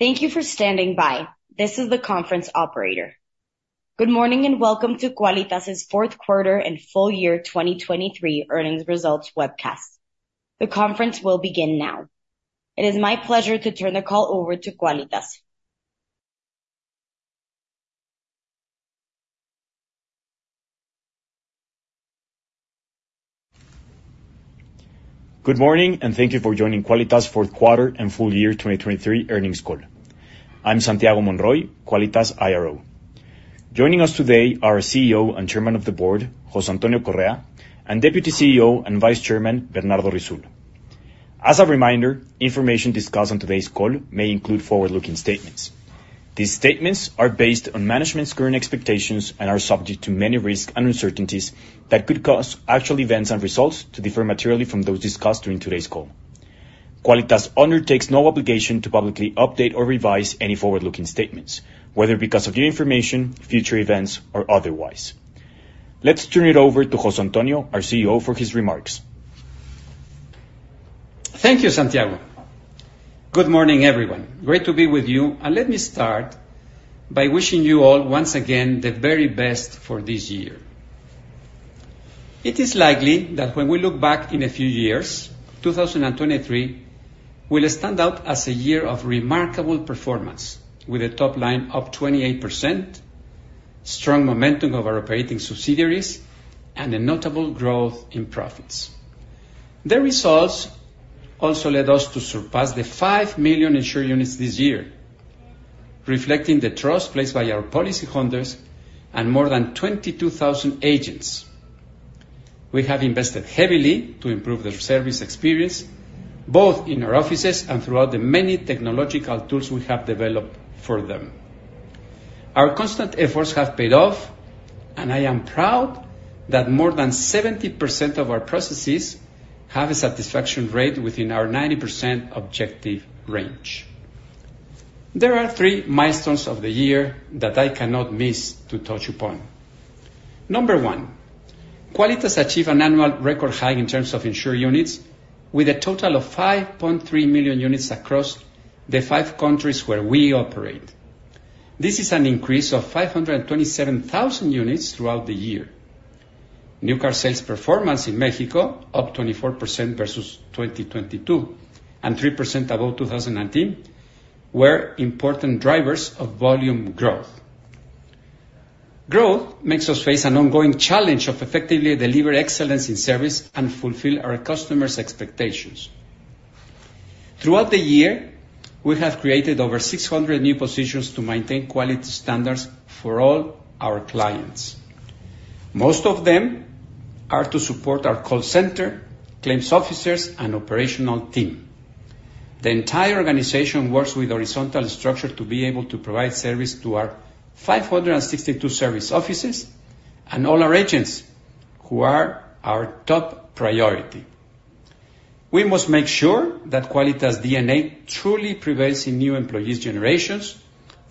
Thank you for standing by. This is the conference operator. Good morning, and welcome to Quálitas's fourth quarter and full year 2023 earnings results webcast. The conference will begin now. It is my pleasure to turn the call over to Quálitas. Good morning, and thank you for joining Quálitas's fourth quarter and full year 2023 earnings call. I'm Santiago Monroy, Quálitas IRO. Joining us today are our CEO and chairman of the board, José Antonio Correa, and Deputy CEO and Vice Chairman, Bernardo Risoul. As a reminder, information discussed on today's call may include forward-looking statements. These statements are based on management's current expectations and are subject to many risks and uncertainties that could cause actual events and results to differ materially from those discussed during today's call. Quálitas undertakes no obligation to publicly update or revise any forward-looking statements, whether because of new information, future events, or otherwise. Let's turn it over to José Antonio, our CEO, for his remarks. Thank you, Santiago. Good morning, everyone. Great to be with you, and let me start by wishing you all once again, the very best for this year. It is likely that when we look back in a few years, 2023 will stand out as a year of remarkable performance, with a top line up 28%, strong momentum of our operating subsidiaries, and a notable growth in profits. The results also led us to surpass the 5 million insured units this year, reflecting the trust placed by our policyholders and more than 22,000 agents. We have invested heavily to improve their service experience, both in our offices and throughout the many technological tools we have developed for them. Our constant efforts have paid off, and I am proud that more than 70% of our processes have a satisfaction rate within our 90% objective range. There are three milestones of the year that I cannot miss to touch upon. Number one, Quálitas achieved an annual record high in terms of insured units, with a total of 5.3 million units across the five countries where we operate. This is an increase of 527,000 units throughout the year. New car sales performance in Mexico, up 24% versus 2022, and 3% above 2019, were important drivers of volume growth. Growth makes us face an ongoing challenge of effectively deliver excellence in service and fulfill our customers' expectations. Throughout the year, we have created over 600 new positions to maintain quality standards for all our clients. Most of them are to support our call center, claims officers, and operational team. The entire organization works with horizontal structure to be able to provide service to our 562 service offices and all our agents, who are our top priority. We must make sure that Quálitas' DNA truly prevails in new employees generations.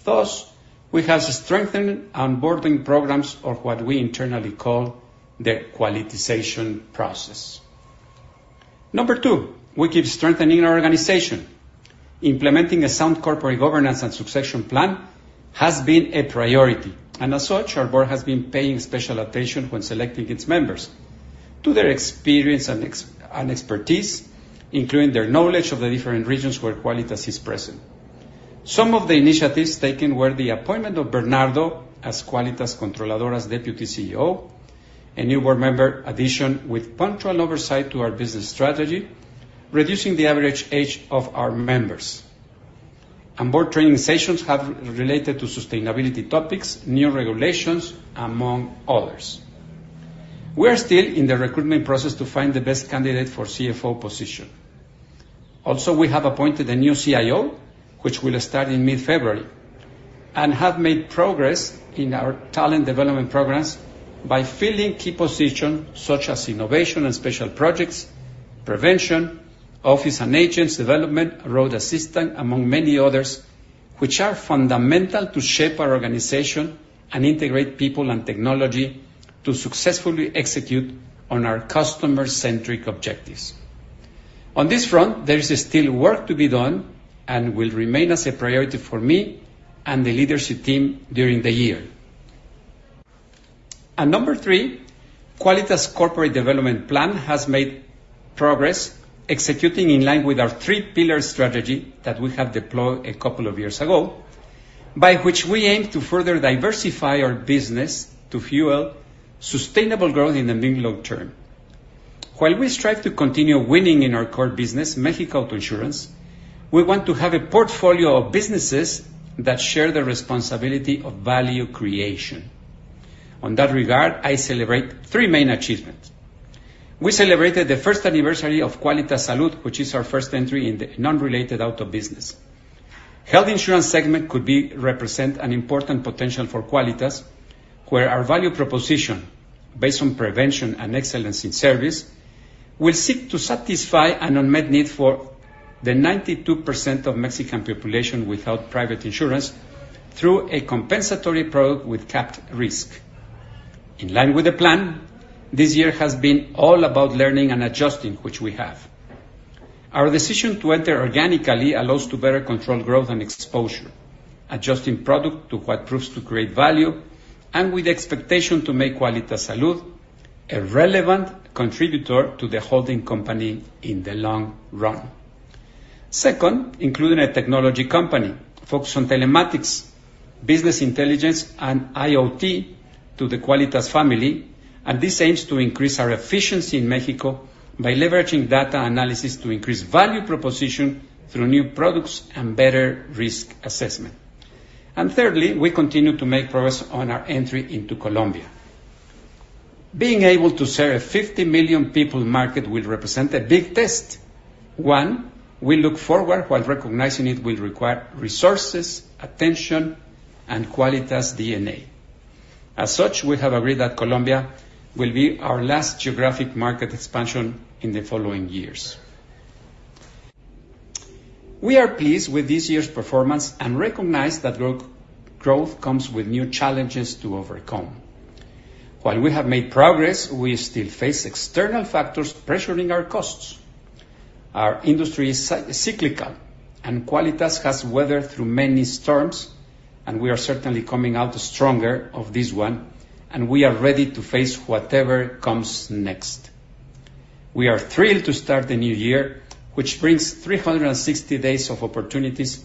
Thus, we have strengthened onboarding programs or what we internally call the Qualitisation process. Number two, we keep strengthening our organization. Implementing a sound corporate governance and succession plan has been a priority, and as such, our board has been paying special attention when selecting its members to their experience and expertise, including their knowledge of the different regions where Quálitas is present. Some of the initiatives taken were the appointment of Bernardo as Quálitas Controladora's Deputy CEO, a new board member addition with punctual oversight to our business strategy, reducing the average age of our members. Board training sessions have related to sustainability topics, new regulations, among others. We are still in the recruitment process to find the best candidate for CFO position. Also, we have appointed a new CIO, which will start in mid-February, and have made progress in our talent development programs by filling key positions such as innovation and special projects, prevention, office and agents development, road assistance, among many others, which are fundamental to shape our organization and integrate people and technology to successfully execute on our customer-centric objectives. On this front, there is still work to be done and will remain as a priority for me and the leadership team during the year. Number three, Quálitas's corporate development plan has made progress executing in line with our three pillar strategy that we have deployed a couple of years ago, by which we aim to further diversify our business to fuel sustainable growth in the mid-long term. While we strive to continue winning in our core business, Mexico insurance, we want to have a portfolio of businesses that share the responsibility of value creation. On that regard, I celebrate three main achievements. We celebrated the first anniversary of Quálitas Salud, which is our first entry in the non-related auto business. Health insurance segment could represent an important potential for Quálitas, where our value proposition, based on prevention and excellence in service, will seek to satisfy an unmet need for the 92% of Mexican population without private insurance through a compensatory product with capped risk... In line with the plan, this year has been all about learning and adjusting, which we have. Our decision to enter organically allows to better control growth and exposure, adjusting product to what proves to create value, and with the expectation to make Quálitas Salud a relevant contributor to the holding company in the long run. Second, including a technology company focused on telematics, business intelligence, and IoT to the Quálitas family, and this aims to increase our efficiency in Mexico by leveraging data analysis to increase value proposition through new products and better risk assessment. And thirdly, we continue to make progress on our entry into Colombia. Being able to serve a 50 million people market will represent a big test. One, we look forward, while recognizing it will require resources, attention, and Quálitas DNA. As such, we have agreed that Colombia will be our last geographic market expansion in the following years. We are pleased with this year's performance and recognize that growth comes with new challenges to overcome. While we have made progress, we still face external factors pressuring our costs. Our industry is cyclical, and Quálitas has weathered through many storms, and we are certainly coming out stronger of this one, and we are ready to face whatever comes next. We are thrilled to start the new year, which brings 360 days of opportunities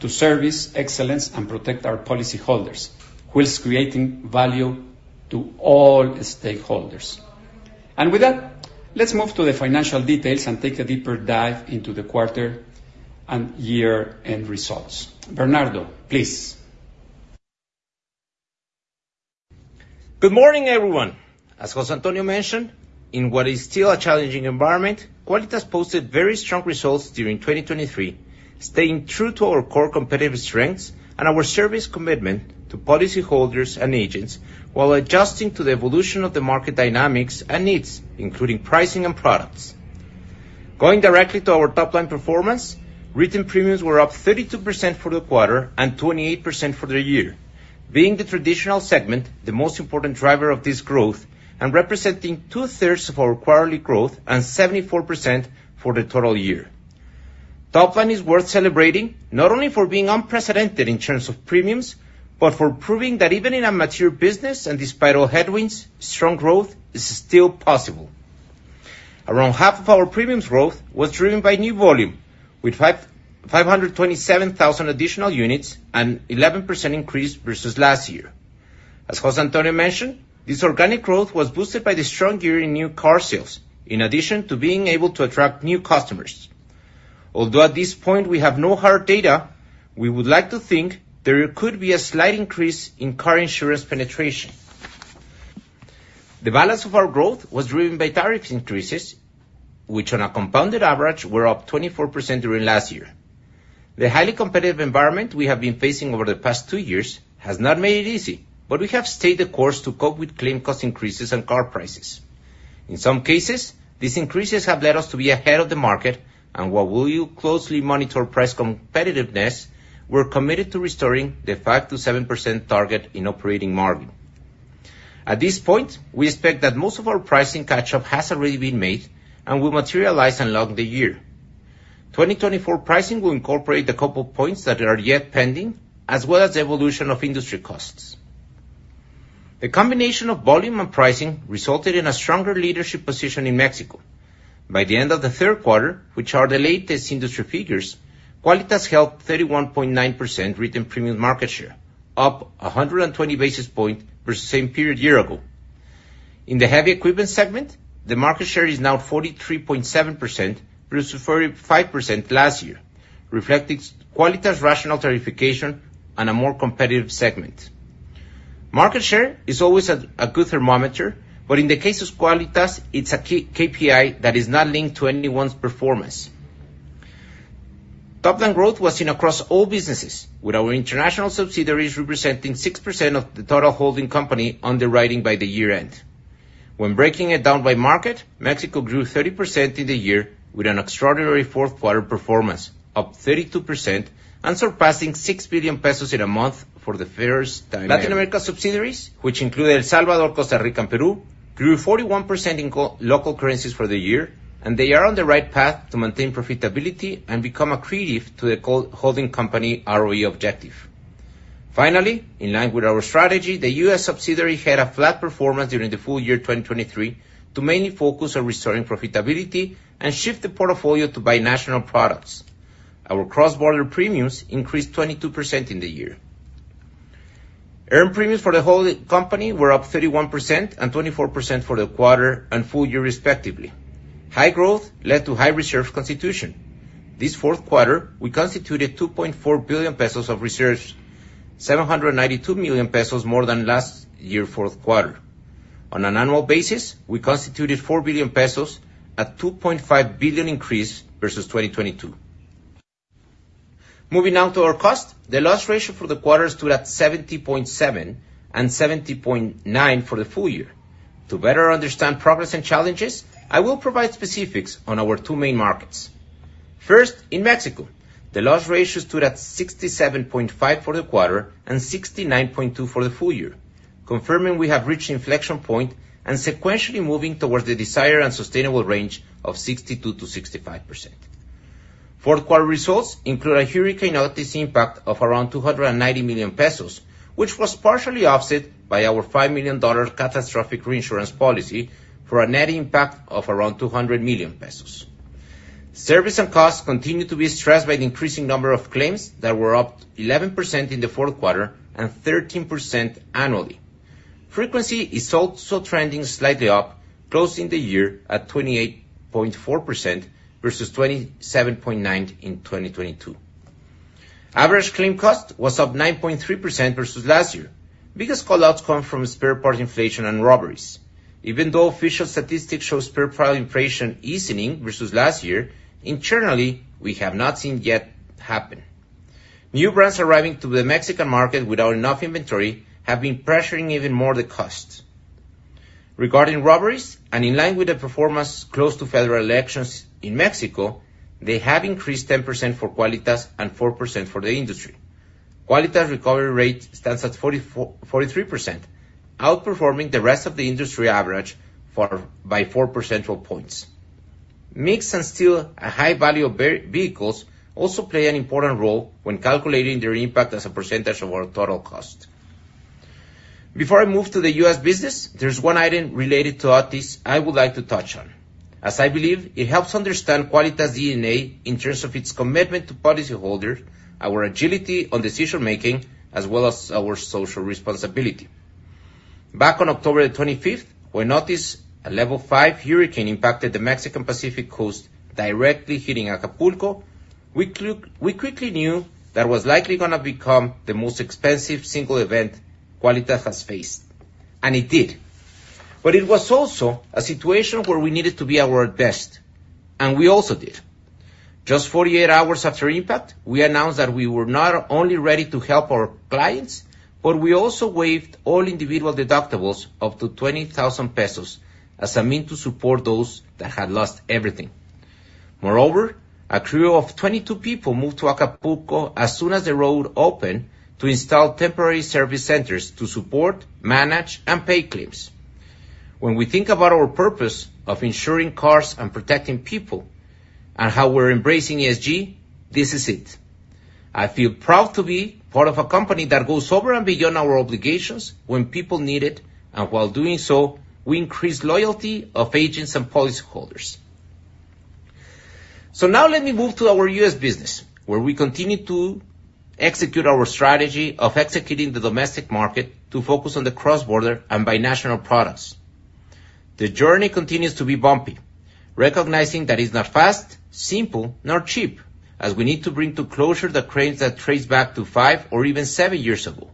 to service excellence and protect our policyholders, while creating value to all stakeholders. With that, let's move to the financial details and take a deeper dive into the quarter and year-end results. Bernardo, please. Good morning, everyone. As José Antonio mentioned, in what is still a challenging environment, Quálitas posted very strong results during 2023, staying true to our core competitive strengths and our service commitment to policyholders and agents, while adjusting to the evolution of the market dynamics and needs, including pricing and products. Going directly to our top line performance, written premiums were up 32% for the quarter and 28% for the year, being the traditional segment, the most important driver of this growth, and representing two-thirds of our quarterly growth and 74% for the total year. Top line is worth celebrating, not only for being unprecedented in terms of premiums, but for proving that even in a mature business, and despite all headwinds, strong growth is still possible. Around half of our premiums growth was driven by new volume, with 557,000 additional units and 11% increase versus last year. As José Antonio mentioned, this organic growth was boosted by the strong year in new car sales, in addition to being able to attract new customers. Although at this point we have no hard data, we would like to think there could be a slight increase in car insurance penetration. The balance of our growth was driven by tariff increases, which on a compounded average, were up 24% during last year. The highly competitive environment we have been facing over the past two years has not made it easy, but we have stayed the course to cope with claim cost increases and car prices. In some cases, these increases have led us to be ahead of the market, and while we will closely monitor price competitiveness, we're committed to restoring the 5%-7% target in operating margin. At this point, we expect that most of our pricing catch-up has already been made and will materialize along the year. 2024 pricing will incorporate the couple points that are yet pending, as well as the evolution of industry costs. The combination of volume and pricing resulted in a stronger leadership position in Mexico. By the end of the third quarter, which are the latest industry figures, Quálitas held 31.9% written premium market share, up 120 basis points versus the same period year ago. In the heavy equipment segment, the market share is now 43.7% versus 45% last year, reflecting Quálitas' rational tariffication and a more competitive segment. Market share is always a good thermometer, but in the case of Quálitas, it's a key KPI that is not linked to anyone's performance. Top line growth was seen across all businesses, with our international subsidiaries representing 6% of the total holding company underwriting by the year-end. When breaking it down by market, Mexico grew 30% in the year with an extraordinary fourth quarter performance, up 32% and surpassing 6 billion pesos in a month for the first time. Latin America subsidiaries, which include El Salvador, Costa Rica, and Peru, grew 41% in constant local currencies for the year, and they are on the right path to maintain profitability and become accretive to the consolidated holding company ROE objective. Finally, in line with our strategy, the U.S. subsidiary had a flat performance during the full year 2023 to mainly focus on restoring profitability and shift the portfolio to binational products. Our cross-border premiums increased 22% in the year. Earned premiums for the whole company were up 31% and 24% for the quarter and full year respectively. High growth led to high reserve constitution. This fourth quarter, we constituted 2.4 billion pesos of reserves, 792 million pesos more than last year's fourth quarter. On an annual basis, we constituted 4 billion pesos, a 2.5 billion increase versus 2022. Moving on to our cost, the loss ratio for the quarter stood at 70.7 and 70.9% for the full year. To better understand progress and challenges, I will provide specifics on our two main markets. First, in Mexico, the loss ratio stood at 67.5 for the quarter and 69.2% for the full year, confirming we have reached inflection point and sequentially moving towards the desired and sustainable range of 62%-65%. Fourth quarter results include a Hurricane Otis impact of around 290 million pesos, which was partially offset by our $5 million catastrophic reinsurance policy for a net impact of around 200 million pesos. Service and costs continue to be stressed by the increasing number of claims that were up 11% in the fourth quarter and 13% annually. Frequency is also trending slightly up, closing the year at 28.4% versus 27.9% in 2022. Average claim cost was up 9.3% versus last year. Biggest call-outs come from spare parts inflation and robberies. Even though official statistics show spare part inflation easing versus last year, internally, we have not seen it yet happen. New brands arriving to the Mexican market without enough inventory have been pressuring even more the costs. Regarding robberies, and in line with the performance close to federal elections in Mexico, they have increased 10% for Quálitas and 4% for the industry. Quálitas recovery rate stands at 43%, outperforming the rest of the industry average by 4 percentage points. Mix and still a high value of vehicles also play an important role when calculating their impact as a percentage of our total cost. Before I move to the U.S. business, there's one item related to Otis I would like to touch on, as I believe it helps understand Quálitas' DNA in terms of its commitment to policyholders, our agility on decision-making, as well as our social responsibility. Back on October the twenty-fifth, when Otis, a level 5 hurricane, impacted the Mexican Pacific Coast, directly hitting Acapulco, we quickly knew that it was likely going to become the most expensive single event Quálitas has faced, and it did. But it was also a situation where we needed to be at our best, and we also did. Just 48 hours after impact, we announced that we were not only ready to help our clients, but we also waived all individual deductibles up to 20,000 pesos as a mean to support those that had lost everything. Moreover, a crew of 22 people moved to Acapulco as soon as the road opened to install temporary service centers to support, manage, and pay claims. When we think about our purpose of insuring cars and protecting people, and how we're embracing ESG, this is it. I feel proud to be part of a company that goes over and beyond our obligations when people need it, and while doing so, we increase loyalty of agents and policyholders. So now let me move to our U.S. business, where we continue to execute our strategy of executing the domestic market to focus on the cross-border and binational products. The journey continues to be bumpy, recognizing that it's not fast, simple, nor cheap, as we need to bring to closure the claims that trace back to five or even seven years ago.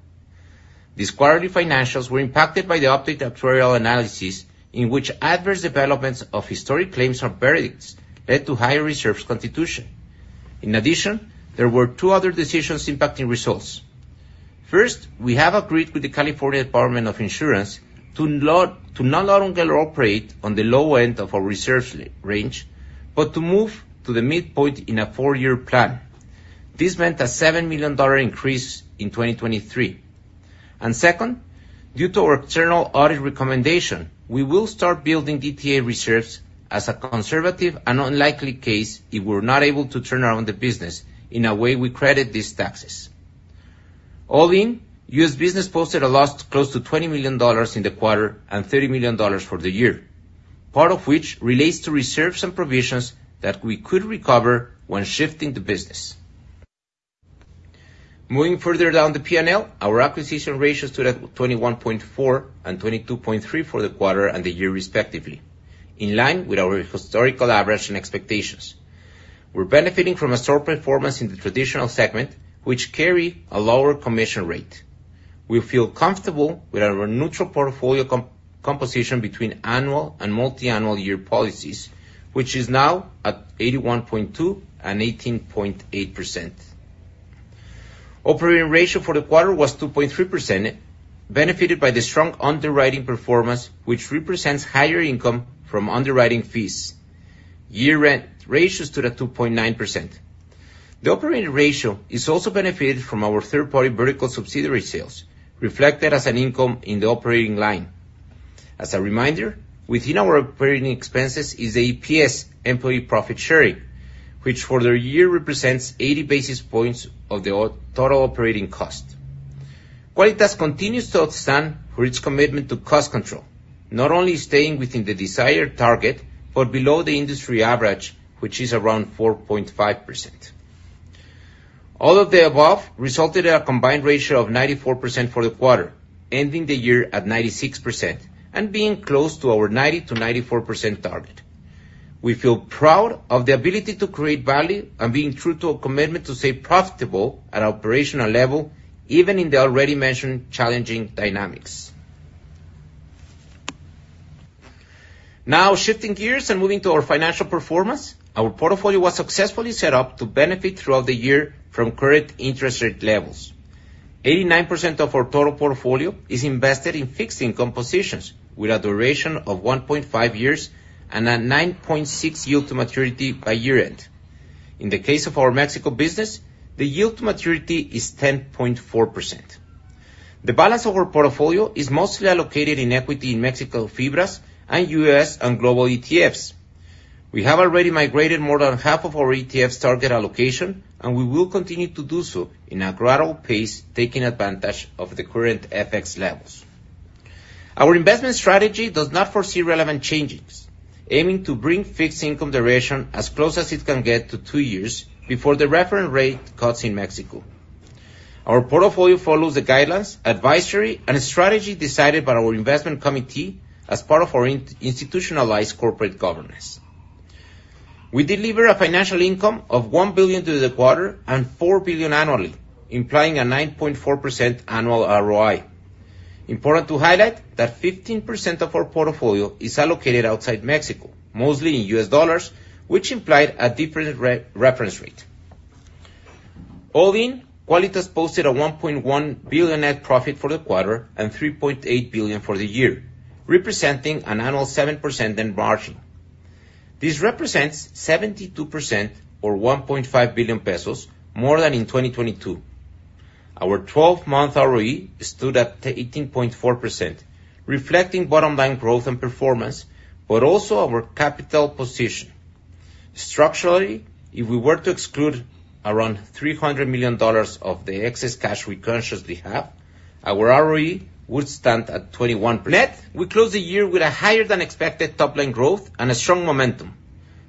These quarterly financials were impacted by the updated actuarial analysis, in which adverse developments of historic claims or verdicts led to higher reserves constitution. In addition, there were two other decisions impacting results. First, we have agreed with the California Department of Insurance to no longer operate on the low end of our reserves range, but to move to the midpoint in a four-year plan. This meant a $7 million increase in 2023. Second, due to our external audit recommendation, we will start building DTA reserves as a conservative and unlikely case if we're not able to turn around the business in a way we credit these taxes. All in, U.S. business posted a loss close to $20 million in the quarter and $30 million for the year, part of which relates to reserves and provisions that we could recover when shifting the business. Moving further down the P&L, our acquisition ratio stood at 21.4 and 22.3 for the quarter and the year respectively, in line with our historical average and expectations. We're benefiting from a strong performance in the traditional segment, which carry a lower commission rate. We feel comfortable with our neutral portfolio composition between annual and multi-annual year policies, which is now at 81.2% and 18.8%. Operating ratio for the quarter was 2.3%, benefited by the strong underwriting performance, which represents higher income from underwriting fees. Year end ratio stood at 2.9%. The operating ratio is also benefited from our third-party vertical subsidiary sales, reflected as an income in the operating line. As a reminder, within our operating expenses is the EPS, employee profit sharing, which for the year represents 80 basis points of the total operating cost. Quálitas continues to stand out for its commitment to cost control, not only staying within the desired target, but below the industry average, which is around 4.5%. All of the above resulted in a combined ratio of 94% for the quarter, ending the year at 96% and being close to our 90%-94% target. We feel proud of the ability to create value and being true to our commitment to stay profitable at operational level, even in the already mentioned challenging dynamics. Now, shifting gears and moving to our financial performance. Our portfolio was successfully set up to benefit throughout the year from current interest rate levels. 89% of our total portfolio is invested in fixed income positions, with a duration of 1.5 years and a 9.6 yield to maturity by year-end. In the case of our Mexico business, the yield to maturity is 10.4%. The balance of our portfolio is mostly allocated in equity in Mexico, FIBRAs, and U.S. and global ETFs. We have already migrated more than half of our ETF target allocation, and we will continue to do so in a gradual pace, taking advantage of the current FX levels. Our investment strategy does not foresee relevant changes, aiming to bring fixed income duration as close as it can get to two years before the reference rate cuts in Mexico. Our portfolio follows the guidelines, advisory, and strategy decided by our investment committee as part of our institutionalized corporate governance. We deliver a financial income of 1 billion for the quarter and 4 billion annually, implying a 9.4% annual ROI. Important to highlight, that 15% of our portfolio is allocated outside Mexico, mostly in U.S. dollars, which implied a different reference rate. All in, Quálitas posted a 1.1 billion net profit for the quarter and 3.8 billion for the year, representing an annual 7% margin. This represents 72% or 1.5 billion pesos more than in 2022. Our 12-month ROE stood at 18.4%, reflecting bottom line growth and performance, but also our capital position. Structurally, if we were to exclude around $300 million of the excess cash we consciously have, our ROE would stand at 21%. Net, we closed the year with a higher-than-expected top-line growth and a strong momentum.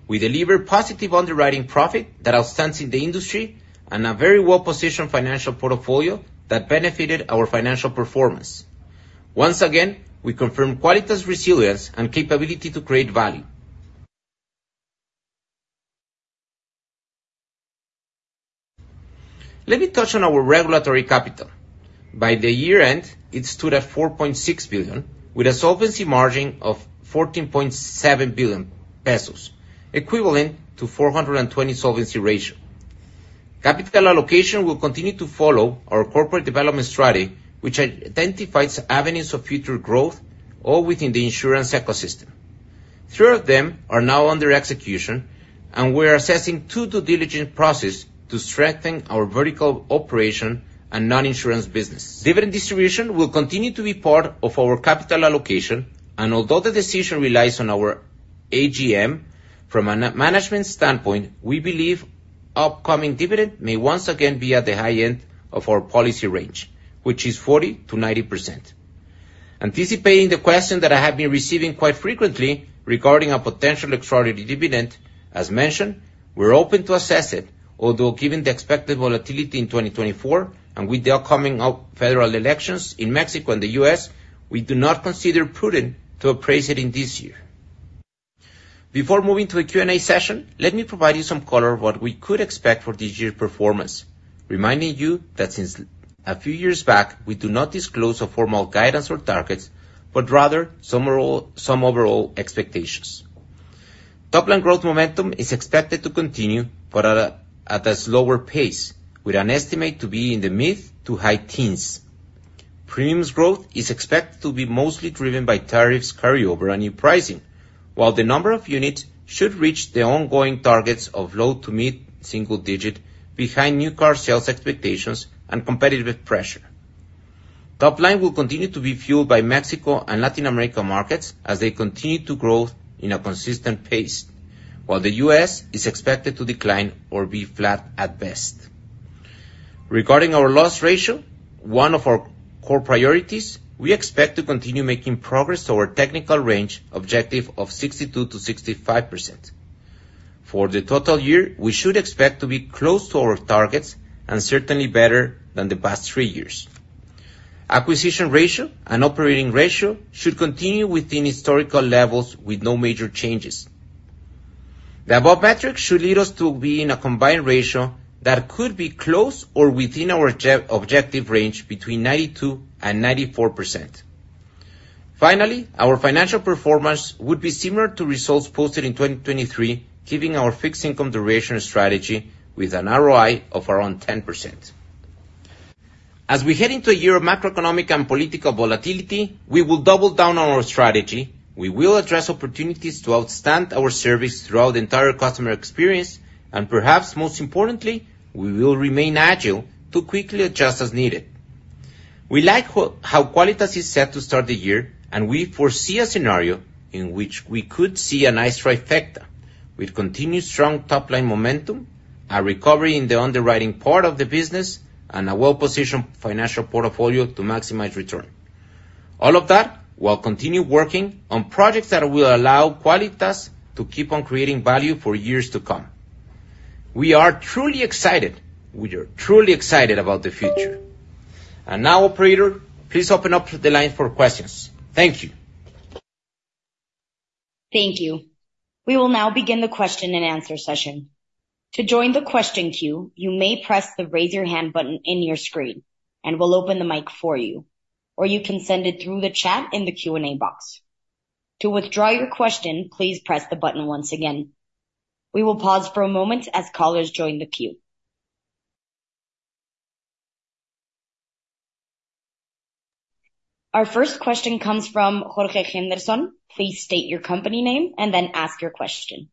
We delivered positive underwriting profit that outstands in the industry and a very well-positioned financial portfolio that benefited our financial performance. Once again, we confirm Quálitas' resilience and capability to create value. Let me touch on our regulatory capital. By the year-end, it stood at 4.6 billion, with a solvency margin of 14.7 billion pesos, equivalent to 420% solvency ratio. Capital allocation will continue to follow our corporate development strategy, which identifies avenues of future growth all within the insurance ecosystem. Three of them are now under execution, and we are assessing two due diligence process to strengthen our vertical operation and non-insurance business. Dividend distribution will continue to be part of our capital allocation, and although the decision relies on our AGM, from a management standpoint, we believe upcoming dividend may once again be at the high end of our policy range, which is 40%-90%. Anticipating the question that I have been receiving quite frequently regarding a potential extraordinary dividend, as mentioned, we're open to assess it, although given the expected volatility in 2024, and with the upcoming federal elections in Mexico and the U.S., we do not consider prudent to appraise it in this year. Before moving to the Q&A session, let me provide you some color of what we could expect for this year's performance, reminding you that since a few years back, we do not disclose a formal guidance or targets, but rather some overall, some overall expectations. Top-line growth momentum is expected to continue, but at a slower pace, with an estimate to be in the mid- to high teens. Premiums growth is expected to be mostly driven by tariffs carryover and in pricing, while the number of units should reach the ongoing targets of low- to mid-single digit behind new car sales expectations and competitive pressure. Top line will continue to be fueled by Mexico and Latin America markets as they continue to grow in a consistent pace, while the U.S. is expected to decline or be flat at best. Regarding our loss ratio, one of our core priorities, we expect to continue making progress to our technical range objective of 62%-65%. For the total year, we should expect to be close to our targets and certainly better than the past 3 years. Acquisition ratio and operating ratio should continue within historical levels with no major changes. The above metrics should lead us to be in a combined ratio that could be close or within our objective range, between 92% and 94%. Finally, our financial performance would be similar to results posted in 2023, keeping our fixed income duration strategy with an ROI of around 10%. As we head into a year of macroeconomic and political volatility, we will double down on our strategy. We will address opportunities to outstand our service throughout the entire customer experience, and perhaps most importantly, we will remain agile to quickly adjust as needed. We like how Quálitas is set to start the year, and we foresee a scenario in which we could see a nice trifecta, with continued strong top-line momentum, a recovery in the underwriting part of the business, and a well-positioned financial portfolio to maximize return. All of that, while continuing working on projects that will allow Quálitas to keep on creating value for years to come. We are truly excited... We are truly excited about the future. And now, operator, please open up the lines for questions. Thank you. Thank you. We will now begin the question-and-answer session. To join the question queue, you may press the Raise Your Hand button on your screen, and we'll open the mic for you, or you can send it through the chat in the Q&A box. To withdraw your question, please press the button once again.... We will pause for a moment as callers join the queue. Our first question comes from Jorge Henderson. Please state your company name and then ask your question.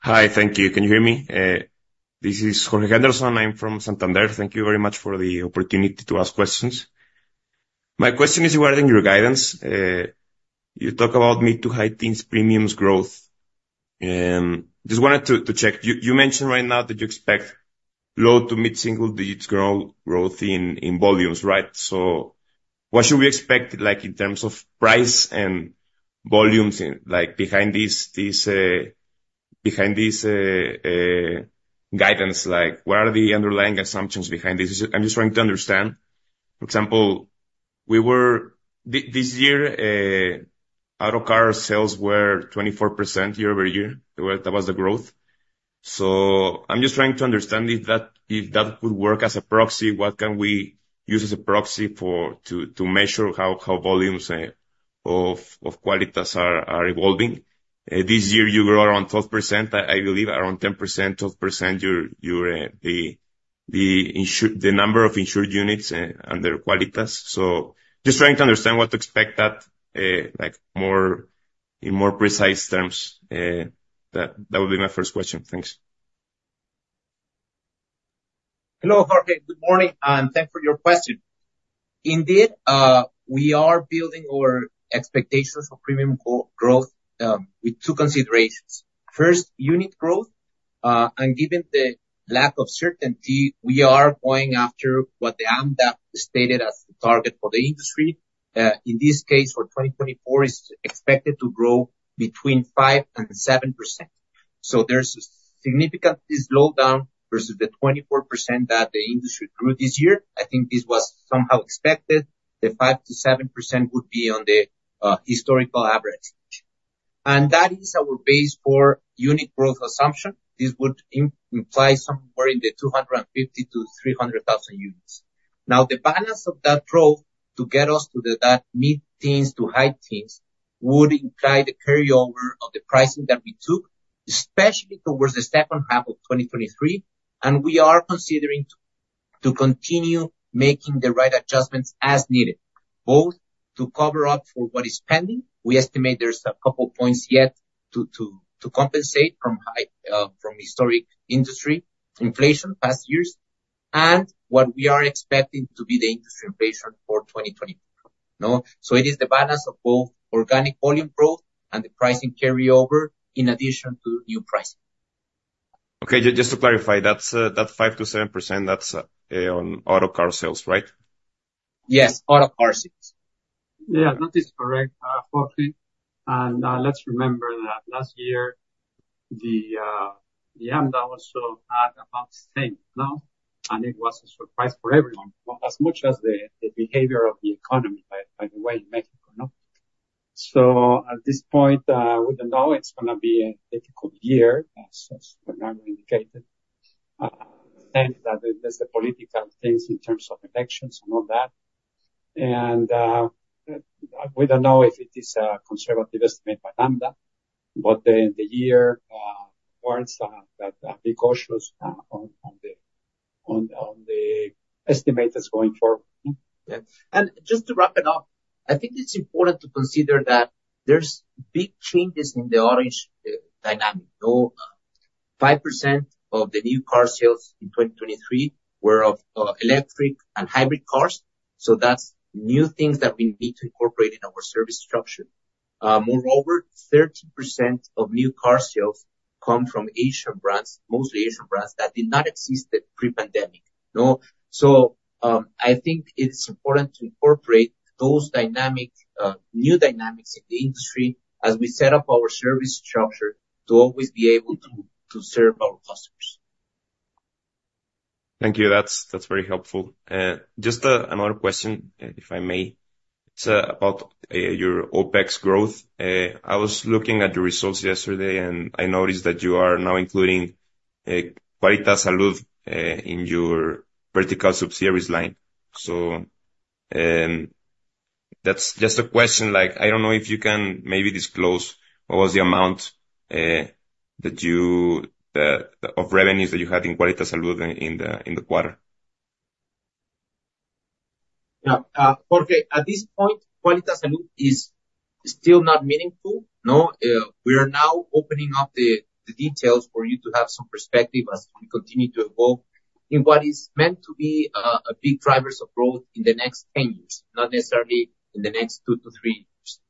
Hi, thank you. Can you hear me? This is Jorge Henderson. I'm from Santander. Thank you very much for the opportunity to ask questions. My question is regarding your guidance. You talk about mid- to high-teens premiums growth. Just wanted to check. You mentioned right now that you expect low- to mid-single-digits growth in volumes, right? So what should we expect, like, in terms of price and volumes in, like, behind this guidance? Like, what are the underlying assumptions behind this? I'm just trying to understand. For example, this year auto car sales were 24% year-over-year. That was the growth. So I'm just trying to understand if that, if that would work as a proxy, what can we use as a proxy for, to measure how volumes of Quálitas are evolving? This year you grew around 12%, I believe, around 10%, 12%, your the number of insured units under Quálitas. So just trying to understand what to expect that, like, more, in more precise terms, that would be my first question. Thanks. Hello, Jorge, good morning, and thanks for your question. Indeed, we are building our expectations for premium growth with two considerations. First, unit growth. And given the lack of certainty, we are going after what the AMDA stated as the target for the industry. In this case, for 2024, it's expected to grow between 5% and 7%. So there's a significant slowdown versus the 24% that the industry grew this year. I think this was somehow expected. The 5%-7% would be on the historical average, and that is our base for unit growth assumption. This would imply somewhere in the 250,000-300,000 units. Now, the balance of that growth to get us to the, that mid-teens to high teens, would imply the carryover of the pricing that we took, especially towards the second half of 2023, and we are considering to continue making the right adjustments as needed, both to cover up for what is pending. We estimate there's a couple points yet to compensate from high, from historic industry inflation, past years, and what we are expecting to be the industry inflation for 2024. No? So it is the balance of both organic volume growth and the pricing carryover in addition to new pricing. Okay, just to clarify, that's that 5%-7%, that's on auto car sales, right? Yes, auto car sales. Yeah, that is correct, Jorge. And let's remember that last year, the AMDA also had about the same, no? And it was a surprise for everyone, but as much as the behavior of the economy, by the way, in Mexico, no? So at this point, we don't know it's gonna be a difficult year, as Bernardo indicated. And that there's the political things in terms of elections and all that, and we don't know if it is a conservative estimate by AMDA, but the year warrants that be cautious on the estimators going forward. Yeah. And just to wrap it up, I think it's important to consider that there's big changes in the ongoing dynamic, no? 5% of the new car sales in 2023 were of electric and hybrid cars, so that's new things that we need to incorporate in our service structure. Moreover, 13% of new car sales come from Asian brands, mostly Asian brands, that did not exist pre-pandemic, no? So, I think it's important to incorporate those dynamics, new dynamics in the industry as we set up our service structure to always be able to serve our customers. Thank you. That's, that's very helpful. Just another question, if I may. It's about your OpEx growth. I was looking at your results yesterday, and I noticed that you are now including Quálitas Salud in your vertical subsidiaries line. So, that's just a question, like, I don't know if you can maybe disclose what was the amount of revenues that you had in Quálitas Salud in the quarter? Yeah, Jorge, at this point, Quálitas Salud is still not meaningful, no? We are now opening up the details for you to have some perspective as we continue to evolve in what is meant to be a big drivers of growth in the next 10 years, not necessarily in the next two to three years.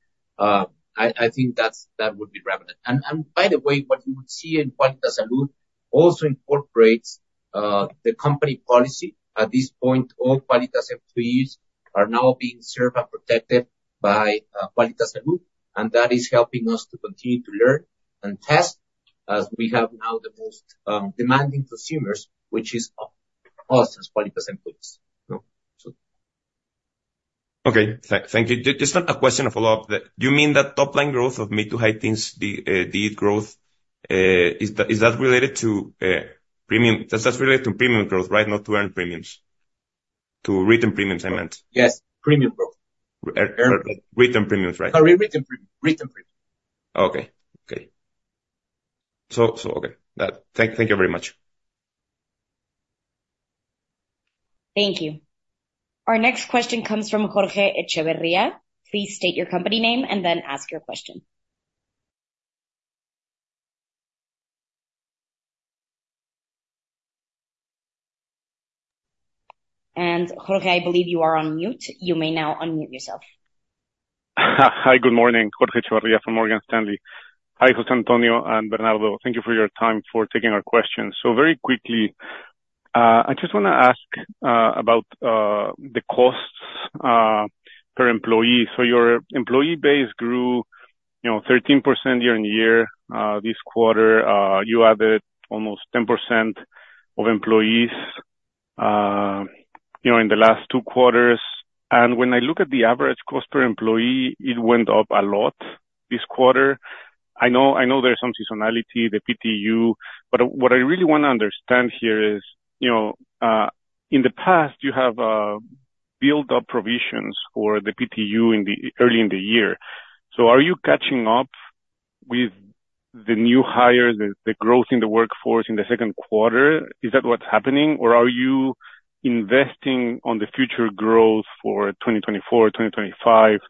I think that would be relevant. And by the way, what you would see in Quálitas Salud also incorporates the company policy. At this point, all Quálitas employees are now being served and protected by Quálitas Salud, and that is helping us to continue to learn and test as we have now the most demanding consumers, which is us as Quálitas employees. No, so. Okay, thank you. Just a follow-up question. Do you mean that top-line growth of mid- to high-teens, the growth, is that related to premium—that's just related to premium growth, right, not to earned premiums? ... to written premiums, I meant? Yes, premium growth. Written premiums, right? Sorry, written premium. Written premium. Okay, thank you very much. Thank you. Our next question comes from Jorge Echevarria. Please state your company name and then ask your question. And Jorge, I believe you are on mute. You may now unmute yourself. Hi, good morning. Jorge Echevarria from Morgan Stanley. Hi, José Antonio and Bernardo. Thank you for your time for taking our questions. So very quickly, I just wanna ask about the costs per employee. So your employee base grew, you know, 13% year-on-year this quarter. You added almost 10% of employees, you know, in the last two quarters. And when I look at the average cost per employee, it went up a lot this quarter. I know, I know there's some seasonality, the PTU, but what I really wanna understand here is, you know, in the past, you have built up provisions for the PTU in the early in the year. So are you catching up with the new hires, the growth in the workforce in the second quarter? Is that what's happening? Or are you investing on the future growth for 2024, 2025,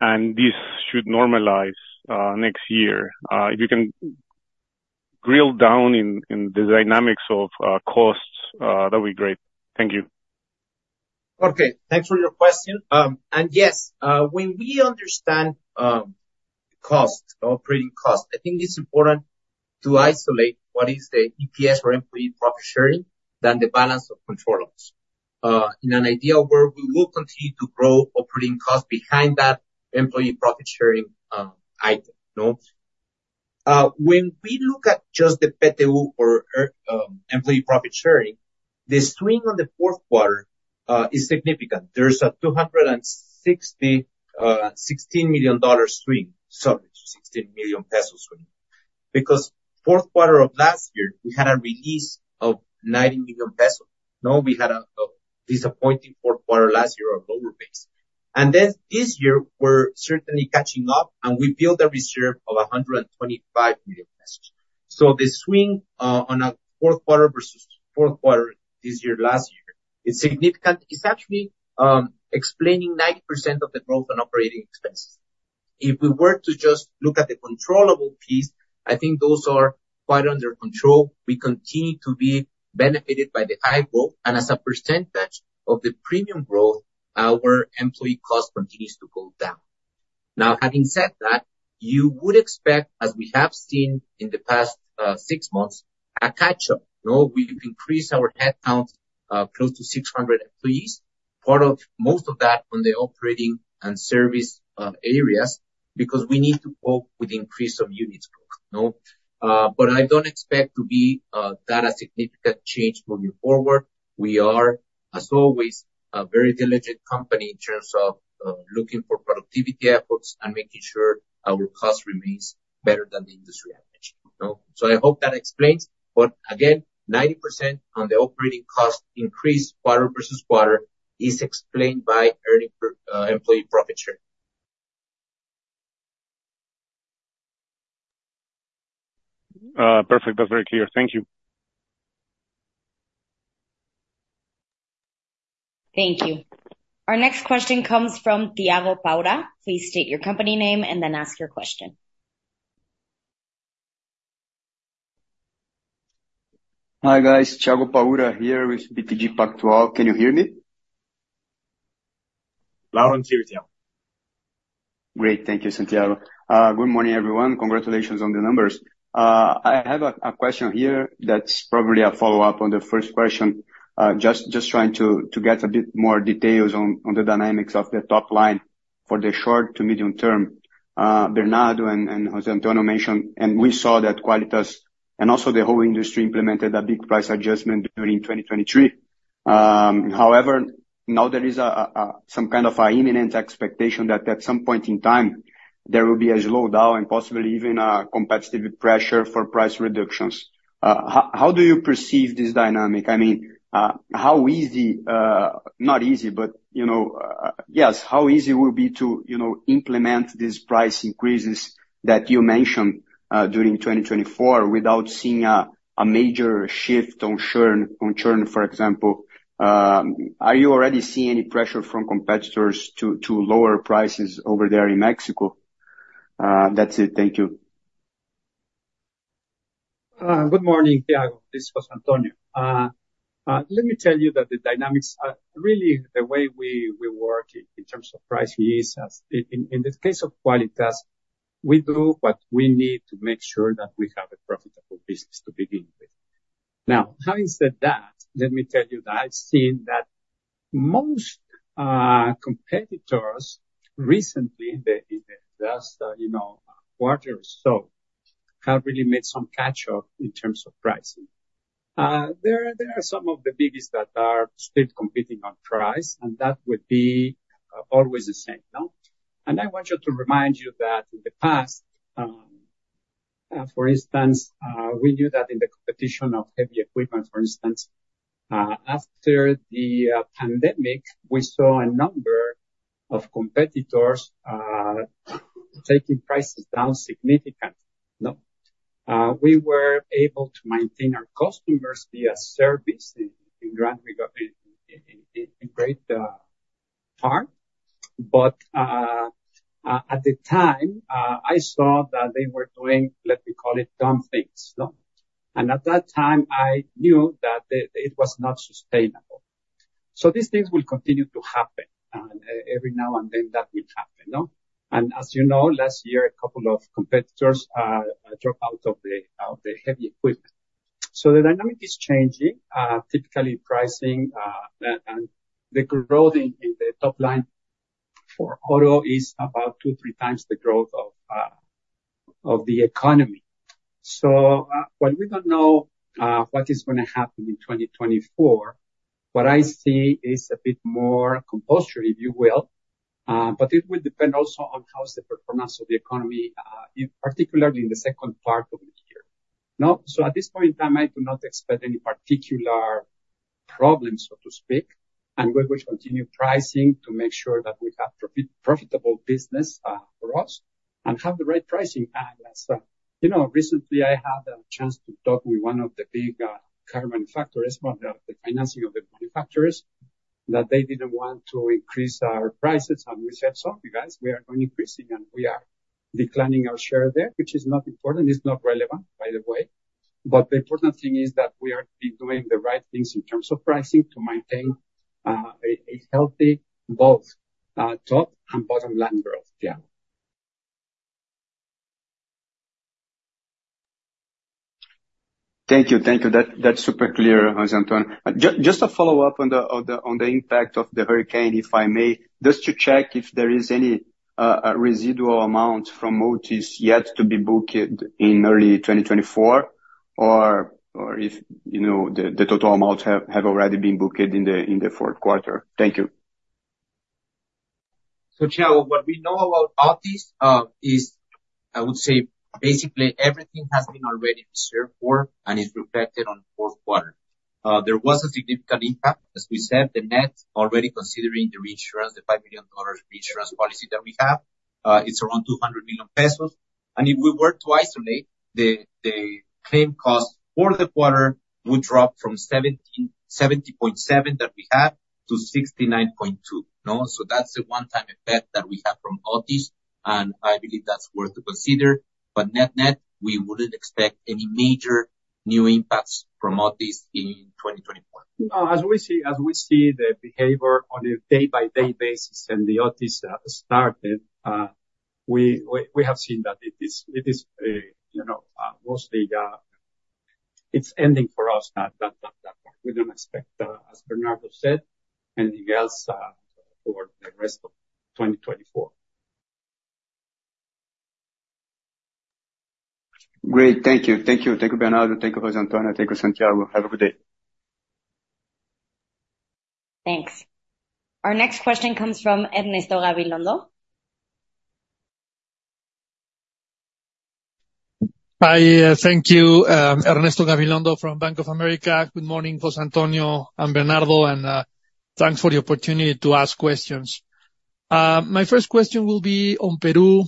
and this should normalize, next year? If you can drill down in, in the dynamics of, costs, that'd be great. Thank you. Okay, thanks for your question. And yes, when we understand costs, operating costs, I think it's important to isolate what is the EPS or employee profit sharing from the balance of control loss. In an ideal world, we will continue to grow operating costs behind that employee profit sharing item, you know? When we look at just the PTU or employee profit sharing, the swing on the fourth quarter is significant. There's a $16 million swing. Sorry, 16 million peso swing. Because fourth quarter of last year, we had a release of 90 million pesos. No, we had a disappointing fourth quarter last year, a lower base. And then this year, we're certainly catching up, and we built a reserve of 125 million pesos. So the swing, on a fourth quarter versus fourth quarter this year, last year, is significant. It's actually, explaining 90% of the growth in operating expenses. If we were to just look at the controllable piece, I think those are quite under control. We continue to be benefited by the high growth, and as a percentage of the premium growth, our employee cost continues to go down. Now, having said that, you would expect, as we have seen in the past, six months, a catch-up, you know? We've increased our headcount, close to 600 employees, part of... most of that on the operating and service, areas, because we need to cope with the increase of units growth, you know? But I don't expect to be, that a significant change moving forward. We are, as always, a very diligent company in terms of looking for productivity efforts and making sure our cost remains better than the industry average, you know? So I hope that explains. But again, 90% on the operating cost increase quarter-over-quarter is explained by employee profit sharing. Perfect. That's very clear. Thank you. Thank you. Our next question comes from Thiago Paura. Please state your company name and then ask your question. Hi, guys. Thiago Paura here with BTG Pactual. Can you hear me? Loud and clear, Thiago. Great. Thank you, Santiago. Good morning, everyone. Congratulations on the numbers. I have a question here that's probably a follow-up on the first question. Just trying to get a bit more details on the dynamics of the top line for the short to medium term. Bernardo and José Antonio mentioned, and we saw that Quálitas and also the whole industry implemented a big price adjustment during 2023. However, now there is some kind of a imminent expectation that at some point in time, there will be a slowdown and possibly even a competitive pressure for price reductions. How do you perceive this dynamic? I mean, how easy, not easy, but you know, yes, how easy will it be to, you know, implement these price increases that you mentioned during 2024 without seeing a major shift on churn, for example? Are you already seeing any pressure from competitors to lower prices over there in Mexico? That's it. Thank you. Good morning, Thiago. This is José Antonio. Let me tell you that the dynamics are really the way we, we work in terms of pricing is as in, in the case of Quálitas, we do what we need to make sure that we have a profitable business to begin with. Now, having said that, let me tell you that I've seen that most competitors recently, in the last, you know, quarter or so, have really made some catch-up in terms of pricing. There are, there are some of the biggest that are still competing on price, and that would be always the same, no? And I want you to remind you that in the past,... for instance, we do that in the competition of heavy equipment, for instance. After the pandemic, we saw a number of competitors taking prices down significantly, no? We were able to maintain our customers via service in great part. But at the time, I saw that they were doing, let me call it, dumb things, no? And at that time, I knew that it was not sustainable. So these things will continue to happen, and every now and then, that will happen, no? And as you know, last year, a couple of competitors dropped out of the heavy equipment. So the dynamic is changing. Typically, pricing and the growth in the top line for auto is about two-three times the growth of the economy. So, while we don't know what is gonna happen in 2024, what I see is a bit more compulsory, if you will. But it will depend also on how's the performance of the economy in particularly in the second part of the year. No, so at this point in time, I do not expect any particular problems, so to speak, and we will continue pricing to make sure that we have profitable business for us and have the right pricing. And, as you know, recently I had a chance to talk with one of the big car manufacturers, one of the financing of the manufacturers, that they didn't want to increase our prices. We said, "Sorry, guys, we are not increasing, and we are declining our share there," which is not important, it's not relevant, by the way. The important thing is that we are doing the right things in terms of pricing to maintain a healthy both top and bottom line growth. Yeah. Thank you. Thank you. That's super clear, José Antonio. Just to follow up on the impact of the hurricane, if I may, just to check if there is any residual amount from Otis yet to be booked in early 2024? Or if, you know, the total amount have already been booked in the fourth quarter. Thank you. So, Thiago, what we know about Otis, is, I would say, basically everything has been already reserved for and is reflected on fourth quarter. There was a significant impact, as we said, the net, already considering the reinsurance, the $5 million reinsurance policy that we have, it's around 200 million pesos. And if we were to isolate the, the claim cost for the quarter would drop from 70.7% to 69.2%, no? So that's a one-time effect that we have from Otis, and I believe that's worth to consider. But net-net, we wouldn't expect any major new impacts from Otis in 2024. As we see the behavior on a day-by-day basis, and the Otis started, we have seen that it is, you know, mostly... It's ending for us, that part. We don't expect, as Bernardo said, anything else for the rest of 2024. Great. Thank you. Thank you. Thank you, Bernardo. Thank you, José Antonio. Thank you, Santiago. Have a good day. Thanks. Our next question comes from Ernesto Gabilondo. Hi, thank you. Ernesto Gabilondo from Bank of America. Good morning, José Antonio and Bernardo, and thanks for the opportunity to ask questions. My first question will be on Peru.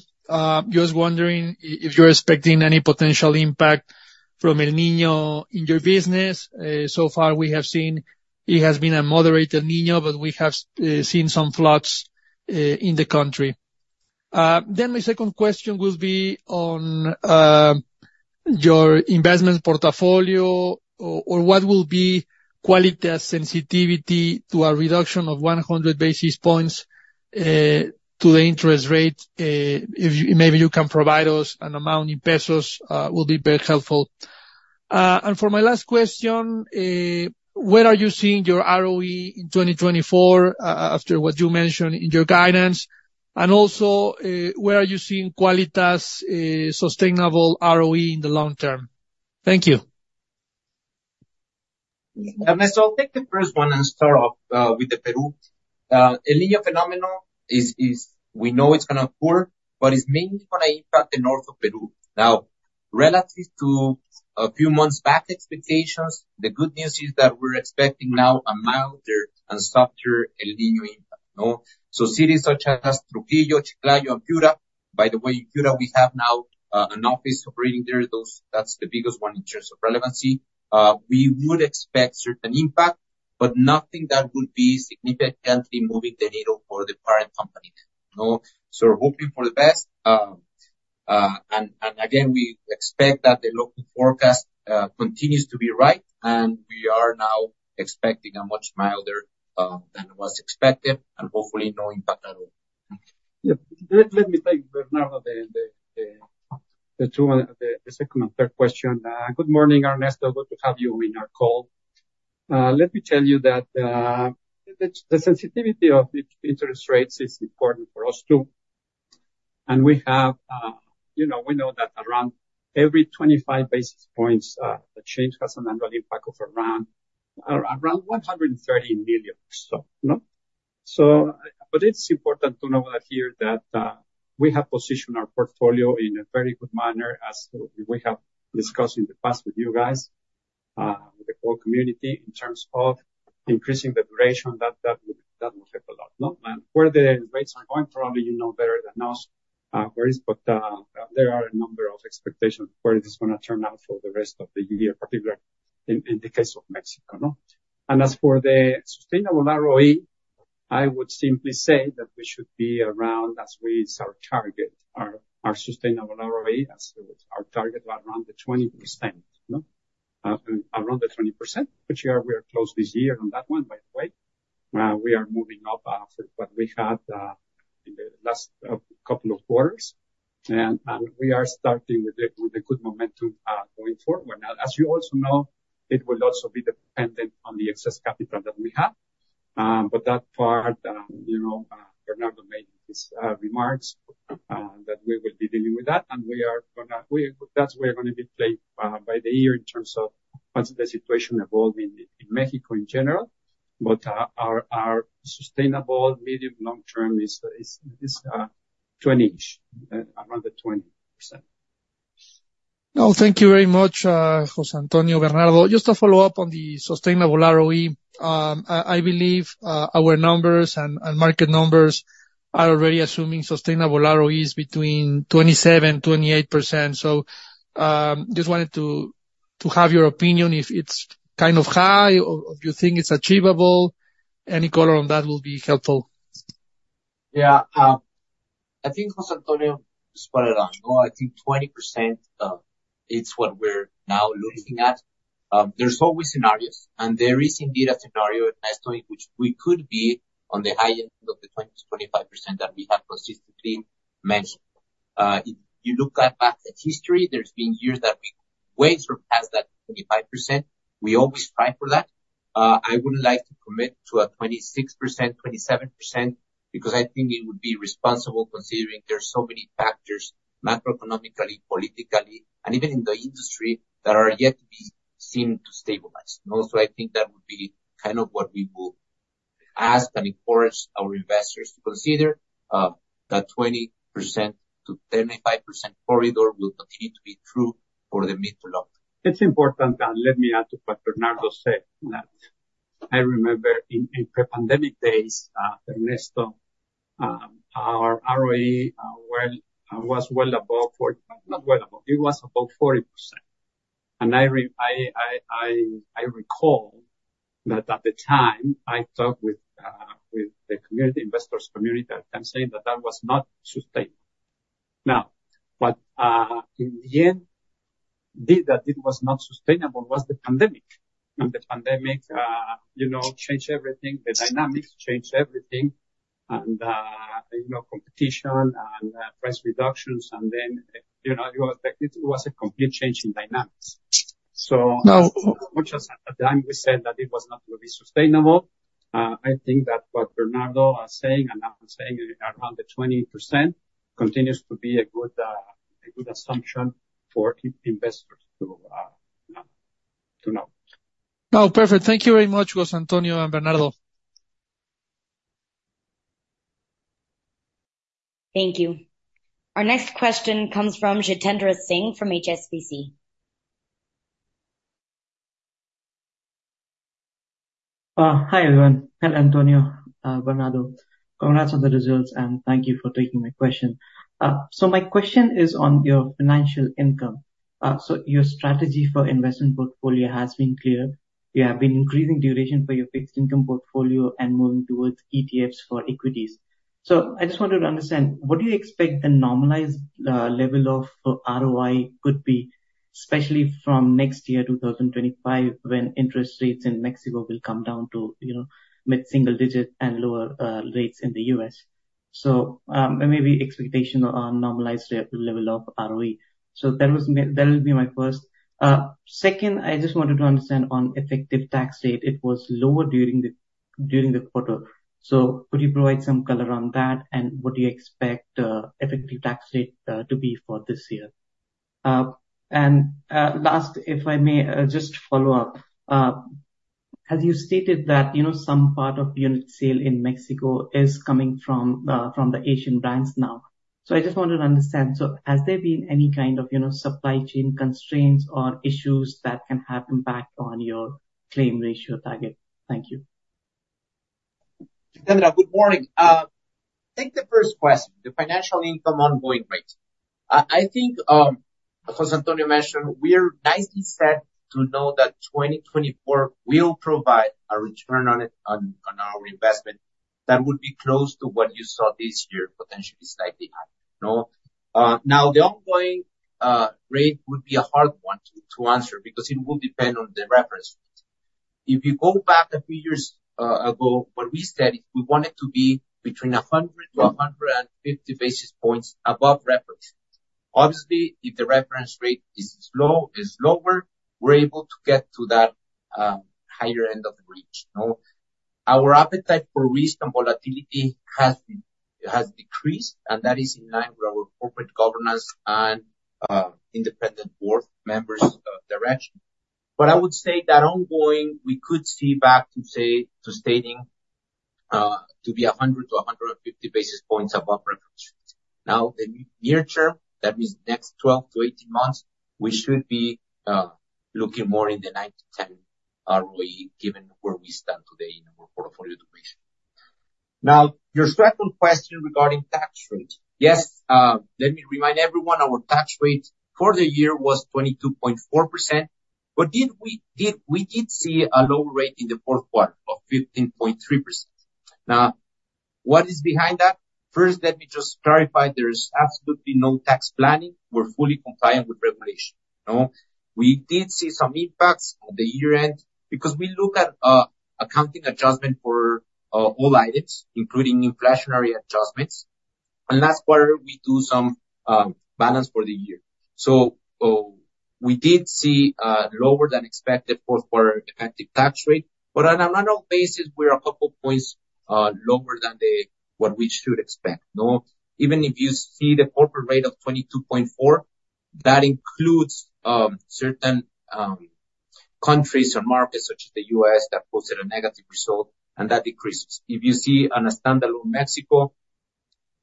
Just wondering if you're expecting any potential impact from El Niño in your business. So far, we have seen it has been a moderate El Niño, but we have seen some floods in the country. Then my second question will be on your investment portfolio or what will be Quálitas' sensitivity to a reduction of 100 basis points to the interest rate? If you maybe can provide us an amount in Mexican pesos, will be very helpful. And for my last question, where are you seeing your ROE in 2024 after what you mentioned in your guidance? Also, where are you seeing Quálitas' sustainable ROE in the long term? Thank you. Ernesto, I'll take the first one and start off with Peru. El Niño phenomenon is, we know it's gonna pour, but it's mainly gonna impact the north of Peru. Now, relative to a few months back expectations, the good news is that we're expecting now a milder and softer El Niño impact, no? So cities such as Trujillo, Chiclayo, and Piura, by the way, Piura, we have now an office operating there. Those... That's the biggest one in terms of relevancy. We would expect certain impact, but nothing that would be significantly moving the needle for the parent company, no? So we're hoping for the best. And again, we expect that the local forecast continues to be right, and we are now expecting a much milder than was expected, and hopefully no impact at all. Yeah. Let me take, Bernardo, the second and third question. Good morning, Ernesto. Good to have you in our call. Let me tell you that the sensitivity of the interest rates is important for us, too. And we have, you know, we know that around every 25 basis points, the change has an annual impact of around 130 million. So, no? So, but it's important to note here that we have positioned our portfolio in a very good manner, as we have discussed in the past with you guys, with the whole community, in terms of increasing the duration, that will help a lot, no? Where the rates are going, probably you know better than us. There are a number of expectations where it is gonna turn out for the rest of the year, particularly in the case of Mexico, no? As for the sustainable ROE, I would simply say that we should be around as where is our target our sustainable ROE as to our target, around the 20%, no? Around the 20%, which we are close this year on that one, by the way. We are moving up after what we had in the last couple of quarters, and we are starting with a good momentum going forward. Now, as you also know, it will also be dependent on the excess capital that we have. But that part, you know, Bernardo made his remarks that we will be dealing with that, and we are gonna, that's where we're gonna be playing, by the year in terms of as the situation evolving in Mexico in general. But, our sustainable medium, long term is 20-ish, around the 20%. No, thank you very much, José Antonio, Bernardo. Just to follow up on the sustainable ROE, I believe our numbers and market numbers are already assuming sustainable ROE is between 27%-28%. So, just wanted to have your opinion, if it's kind of high or if you think it's achievable. Any color on that will be helpful. Yeah, I think José Antonio, spot on, I think 20% is what we're now looking at. There's always scenarios, and there is indeed a scenario in which we could be on the high end of the 20%-25% that we have consistently mentioned. If you look back at history, there's been years that we way surpass that 25%. We always try for that. I wouldn't like to commit to a 26%, 27%, because I think it would be responsible, considering there's so many factors, macroeconomically, politically, and even in the industry, that are yet to be seen to stabilize. So I think that would be kind of what we would ask and encourage our investors to consider, that 20%-25% corridor will continue to be true for the mid to long term. It's important, and let me add to what Bernardo said, that I remember in pre-pandemic days, Ernesto, our ROE, well, was well above 40... Not well above, it was above 40%. And I recall that at the time, I talked with the investor community, and saying that that was not sustainable. Now, but, in the end, the thing that it was not sustainable was the pandemic. And the pandemic, you know, changed everything, the dynamics changed everything, and, you know, competition and, price reductions, and then, you know, you affect it. It was a complete change in dynamics. So- No. Much as at the time we said that it was not going to be sustainable, I think that what Bernardo are saying, and I'm saying, around the 20% continues to be a good, a good assumption for investors to know. No, perfect. Thank you very much, José Antonio and Bernardo. Thank you. Our next question comes from Jitendra Singh, from HSBC. Hi, everyone, and Antonio, Bernardo. Congrats on the results, and thank you for taking my question. So my question is on your financial income. So your strategy for investment portfolio has been clear. You have been increasing duration for your fixed income portfolio and moving towards ETFs for equities. So I just wanted to understand, what do you expect the normalized level of ROI could be, especially from next year, 2025, when interest rates in Mexico will come down to, you know, mid-single digit and lower rates in the US? So, maybe expectation on normalized rate, the level of ROE. So that will be my first. Second, I just wanted to understand on effective tax rate, it was lower during the quarter. So could you provide some color on that, and what do you expect, effective tax rate, to be for this year? And last, if I may, just follow up. As you stated that, you know, some part of the unit sale in Mexico is coming from, from the Asian brands now. So I just wanted to understand, so has there been any kind of, you know, supply chain constraints or issues that can have impact on your claim ratio target? Thank you. Jitendra, good morning. I think the first question, the financial income ongoing rate. I think, José Antonio mentioned, we are nicely set to know that 2024 will provide a return on it, on, on our investment. That would be close to what you saw this year, potentially slightly higher, no? Now, the ongoing rate would be a hard one to answer because it will depend on the reference. If you go back a few years ago, what we said is, we want it to know, ago, what we said is we want it to be between 100-150 basis points above reference. Obviously, if the reference rate is low, is lower, we're able to get to that higher end of the reach, no? Our appetite for risk and volatility has decreased, and that is in line with our corporate governance and independent board members direction. But I would say that ongoing, we could see back to, say, to stating to be 100-150 basis points above reference. Now, the near term, that means next 12-18 months, we should be looking more in the 9-10 ROE, given where we stand today in our portfolio duration. Now, your second question regarding tax rates. Yes, let me remind everyone, our tax rate for the year was 22.4%, but did we—did, we did see a lower rate in the fourth quarter of 15.3%. Now, what is behind that? First, let me just clarify, there's absolutely no tax planning. We're fully compliant with regulation, no? We did see some impacts on the year-end because we look at accounting adjustment for all items, including inflationary adjustments, and last quarter, we do some balance for the year. So, we did see a lower than expected fourth quarter effective tax rate, but on an annual basis, we're a couple points lower than what we should expect, no? Even if you see the corporate rate of 22.4, that includes certain countries or markets such as the U.S., that posted a negative result, and that decreases. If you see on a standalone Mexico,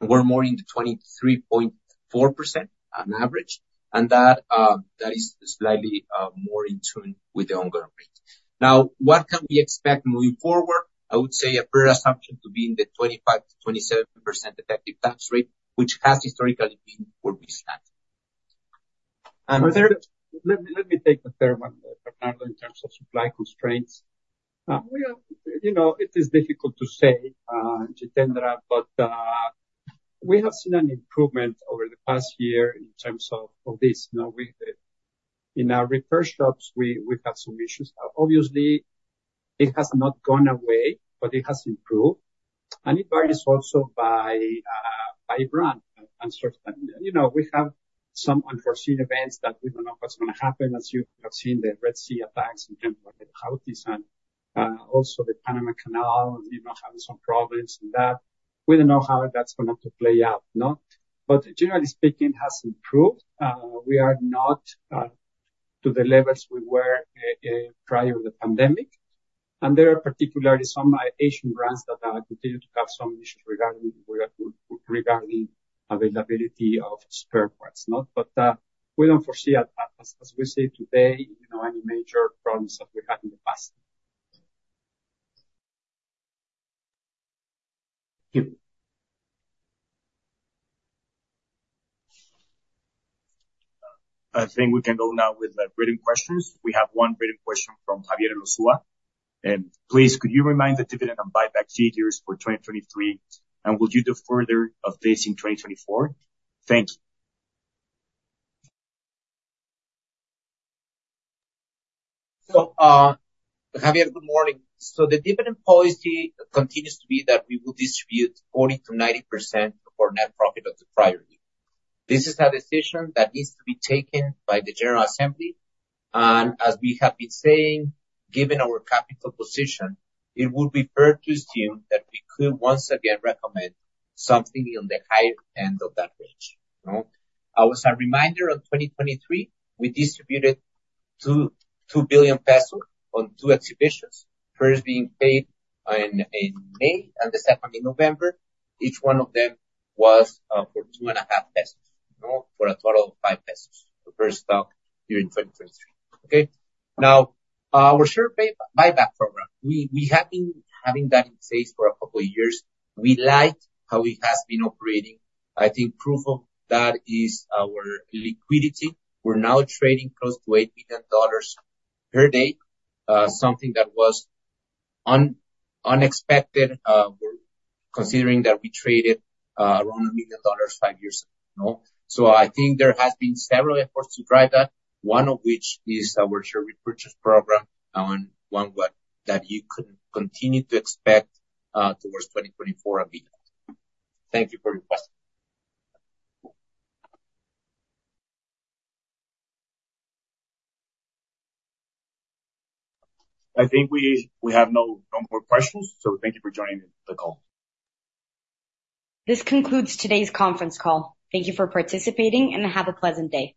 we're more into 23.4% on average, and that is slightly more in tune with the ongoing rate. Now, what can we expect moving forward? I would say a fair assumption to be in the 25%-27% effective tax rate, which has historically been where we stand. Let me take the third one, Jitendra, in terms of supply constraints. You know, it is difficult to say, Jitendra, but we have seen an improvement over the past year in terms of this. You know, we in our repair shops we've had some issues. Obviously, it has not gone away, but it has improved. And it varies also by brand and certain. You know, we have some unforeseen events that we don't know what's gonna happen, as you have seen the Red Sea attacks in terms of the Houthis, and also the Panama Canal having some problems and that. We don't know how that's going to play out, no? But generally speaking, it has improved. We are not to the levels we were prior to the pandemic, and there are particularly some Asian brands that continue to have some issues regarding availability of spare parts, no? But we don't foresee, as we see today, you know, any major problems that we had in the past. Thank you. I think we can go now with written questions. We have one written question from Javier Loza, and: Please, could you remind the dividend and buyback figures for 2023, and will you do further of this in 2024? Thank you. So, Javier, good morning. So the dividend policy continues to be that we will distribute 40%-90% of our net profit of the prior year. This is a decision that needs to be taken by the General Assembly, and as we have been saying, given our capital position, it would be fair to assume that we could once again recommend something on the higher end of that range, no? As a reminder, in 2023, we distributed 2 billion pesos on two exhibitions, first being paid in May and the second in November. Each one of them was for 2.5 pesos, no? For a total of 5 pesos per share during 2023. Okay, now our share buyback program. We have been having that in place for a couple of years. We like how it has been operating. I think proof of that is our liquidity. We're now trading close to $8 billion per day, something that was unexpected. We're considering that we traded around $1 million five years ago, no? So I think there has been several efforts to drive that, one of which is our share repurchase program, on one way, that you can continue to expect towards 2024 and beyond. Thank you for your question. I think we have no more questions, so thank you for joining the call. This concludes today's conference call. Thank you for participating, and have a pleasant day.